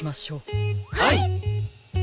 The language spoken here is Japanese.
はい！